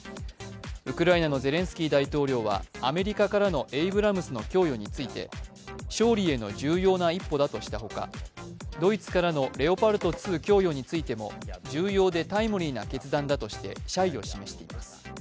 ウクライナのゼレンスキー大統領はアメリカからのエイブラムスの供与について、勝利への重要な一歩だとしたほかドイツからのレオパルト２供与についても重要でタイムリーな決断だとして謝意を示しています。